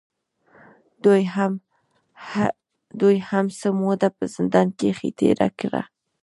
دوې هم څۀ موده پۀ زندان کښې تېره کړه